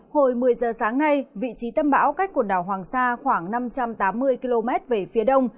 hồi một mươi giờ sáng nay vị trí tâm bão cách quần đảo hoàng sa khoảng năm trăm tám mươi km về phía đông